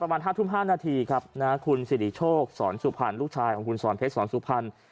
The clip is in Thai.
เพราะคนดีประหอมที่ก็ไม่ได้เธอบอกกับฉันถึงวันนั้นได้